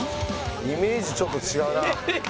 イメージちょっと違うな。